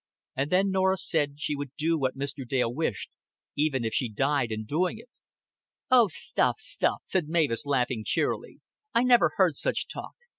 And then Norah said she would do what Mr. Dale wished, even if she died in doing it. "Oh, stuff, stuff," said Mavis, laughing cheerily. "I never heard such talk.